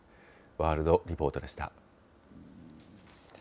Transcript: ワールドリポートでした。